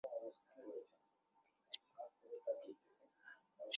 প্রধান অতিথি ছিলেন চট্টগ্রাম মেডিকেল কলেজের প্যাথলজি বিভাগের বিভাগীয় প্রধান জিল্লুর রহমান।